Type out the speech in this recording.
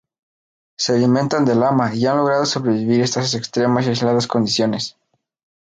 Se alimentan de lama y han logrado sobrevivir a estas extremas y aisladas condiciones.